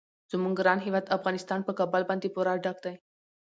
زموږ ګران هیواد افغانستان په کابل باندې پوره ډک دی.